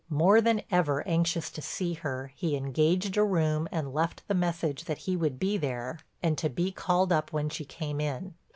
More than ever anxious to see her, he engaged a room and left the message that he would be there and to be called up when she came in.